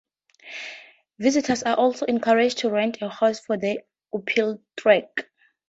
Visitors are also encouraged to rent a horse for the uphill trek.